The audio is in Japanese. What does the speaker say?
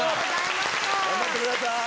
頑張ってください！